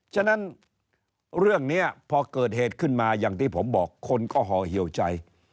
ฉะนั้นเรื่องนี้พอเกิดเหตุขึ้นมาอย่างที่ผมบอกคนก็ห่อเหี่ยวใจ